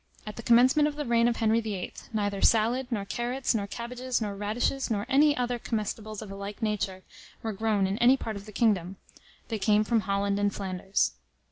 At the commencement of the reign, of Henry VIII. neither salad, nor carrots, nor cabbages, nor radishes, nor any other comestibles of a like nature, were grown in any part of the kingdom; they came from Holland and Flanders."